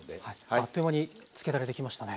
あっという間につけだれ出来ましたね。